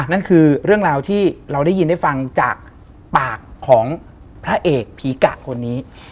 นั่นคือเรื่องราวที่เราได้ยินได้ฟังจากปากของพระเอกผีกะคนนี้